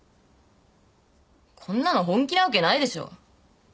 こんなの本気なわけないでしょ？